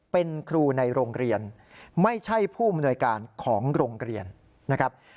เป็นครูในโรงเรียนไม่ใช่ผู้อำนวยการของโรงเรียนนะครับ